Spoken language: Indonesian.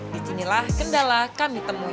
disinilah kendala kami temui